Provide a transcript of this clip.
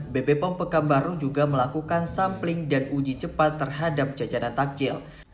bp pom pekanbaru juga melakukan sampling dan uji cepat terhadap jajanan takjil